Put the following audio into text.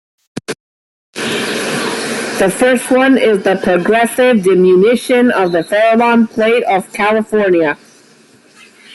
The first one is the progressive diminution of the Farallon plate off California.